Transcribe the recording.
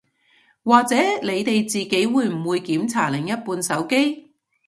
或者你哋自己會唔會檢查另一半手機